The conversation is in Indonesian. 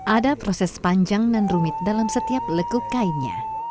ada proses panjang dan rumit dalam setiap lekuk kainnya